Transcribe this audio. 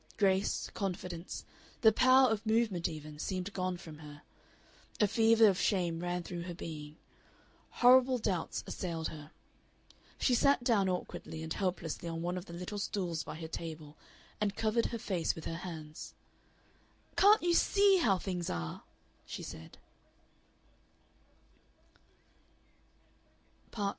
Grace, confidence, the power of movement even, seemed gone from her. A fever of shame ran through her being. Horrible doubts assailed her. She sat down awkwardly and helplessly on one of the little stools by her table and covered her face with her hands. "Can't you SEE how things are?" she said.